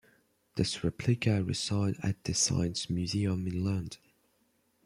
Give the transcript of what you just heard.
This replica resides at the Science Museum in London.